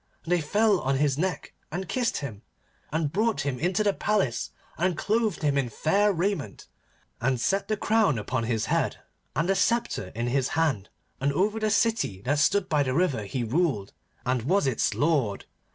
And they fell on his neck and kissed him, and brought him into the palace and clothed him in fair raiment, and set the crown upon his head, and the sceptre in his hand, and over the city that stood by the river he ruled, and was its lord.